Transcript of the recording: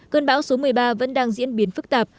cơn bão số một mươi ba vẫn đang diễn biến phức tạp